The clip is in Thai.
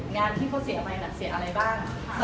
งานที่เขาเสียใหม่เสียอะไรบ้าง